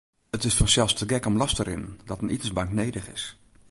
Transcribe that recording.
It is fansels te gek om los te rinnen dat in itensbank nedich is.